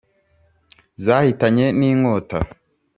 zahitanye n'inkota